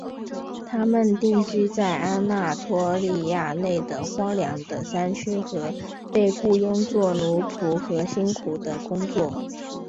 他们定居在安纳托利亚内的荒凉的山区和被雇用作奴仆和辛苦的工作。